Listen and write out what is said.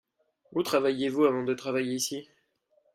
Où travailliez-vous avant de travailler ici ?